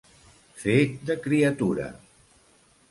Fer de criatura.